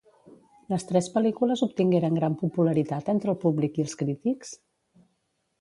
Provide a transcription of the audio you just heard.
Les tres pel·lícules obtingueren gran popularitat entre el públic i els crítics?